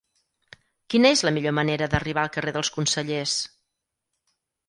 Quina és la millor manera d'arribar al carrer dels Consellers?